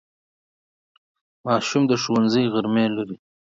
ماشوم د ښوونځي غرمې لري.